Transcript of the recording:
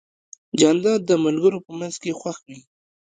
جانداد د ملګرو په منځ کې خوښ وي.